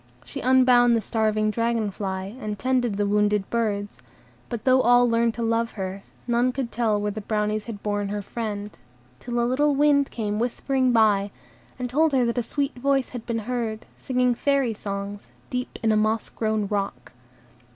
She unbound the starving dragon fly, and tended the wounded birds; but though all learned to love her, none could tell where the Brownies had borne her friend, till a little wind came whispering by, and told her that a sweet voice had been heard, singing Fairy songs, deep in a moss grown rock.